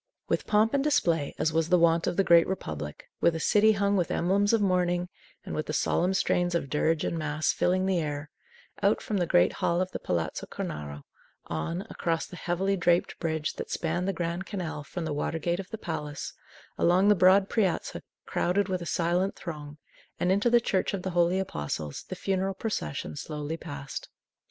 With pomp and display, as was the wont of the Great Republic, with a city hung with emblems of mourning, and with the solemn strains of dirge and mass filling the air, out from the great hall of the Palazzo Cornaro, on, across the heavily draped bridge that spanned the Grand Canal from the water gate of the palace, along the broad piazza crowded with a silent throng, and into the Church of the Holy Apostles, the funeral procession slowly passed.